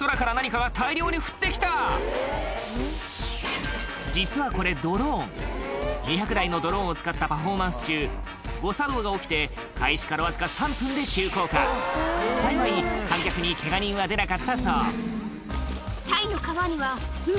空から何かが大量に降って来た実はこれ２００台のドローンを使ったパフォーマンス中誤作動が起きて開始からわずか３分で急降下幸い観客にケガ人は出なかったそうタイの川にはうわ！